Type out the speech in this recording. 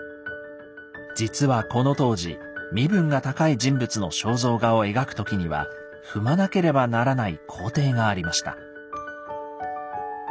実はこの当時身分が高い人物の肖像画を描く時には踏まなければならない工程がありました。